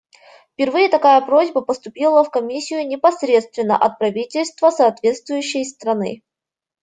Впервые такая просьба поступила в Комиссию непосредственно от правительства соответствующей страны.